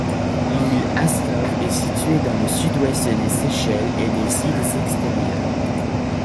L'île Astove est située dans le Sud-Ouest des Seychelles et des îles Extérieures.